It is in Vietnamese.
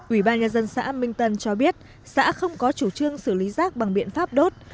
ủy ban nhân dân xã minh tân cho biết xã không có chủ trương xử lý rác bằng biện pháp đốt